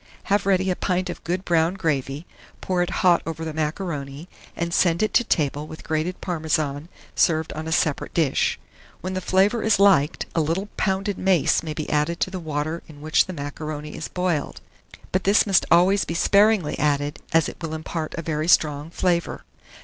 Have ready a pint of good brown gravy, pour it hot over the macaroni, and send it to table with grated Parmesan served on a separate dish. When the flavour is liked, a little pounded mace may be added to the water in which the macaroni is boiled; but this must always be sparingly added, as it will impart a very strong flavour.